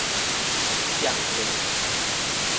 摔胸